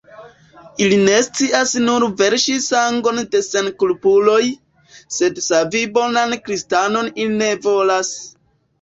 Ili scias nur verŝi sangon de senkulpuloj, sed savi bonan kristanon ili ne volas!